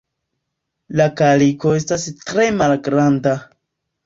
La kaliko estas tre malgranda.